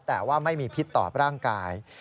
แต่ว่าไม่มีพิษต่อร่างกาย